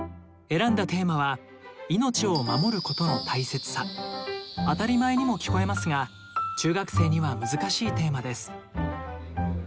選んだテーマは当たり前にも聞こえますが中学生には難しいテーマです。